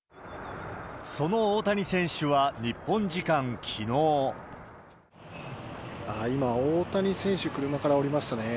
その大谷選手は、今、大谷選手、車から降りましたね。